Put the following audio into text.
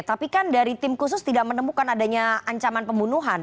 tapi kan dari tim khusus tidak menemukan adanya ancaman pembunuhan